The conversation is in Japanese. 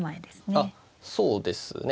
あっそうですね。